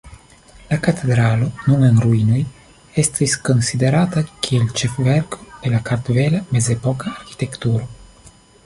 La katedralo, nun en ruinoj, estis konsiderata kiel ĉefverko de la kartvela mezepoka arkitekturo.